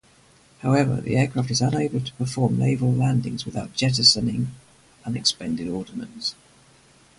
However, the aircraft is unable to perform naval landings without jettisoning unexpended ordnance.